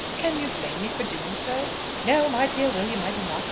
can you blame me for doing so?" "No, my dear William, I do not.